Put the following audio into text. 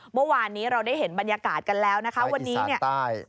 เมื่อวานนี้เราได้เห็นบรรยากาศกันแล้วนะคะวันนี้เนี่ย